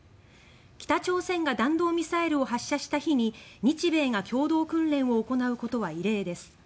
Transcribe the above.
北朝鮮が弾道ミサイルを発射した日に日米が共同訓練を行うことは異例です。